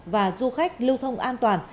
và du khách lưu thông an toàn